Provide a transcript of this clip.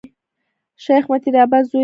شېخ متي د عباس زوی دﺉ.